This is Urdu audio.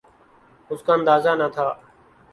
اس کا اندازہ نہ تھا۔